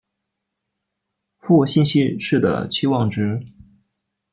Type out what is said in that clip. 互信息是的期望值。